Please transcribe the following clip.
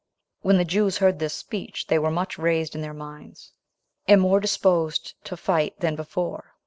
4. When the Jews heard this speech, they were much raised in their minds, and more disposed to fight than before.